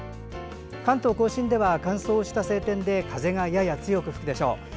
関東・甲信では乾燥した晴天で風がやや強く吹くでしょう。